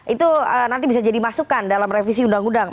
itu nanti bisa jadi masukan dalam revisi undang undang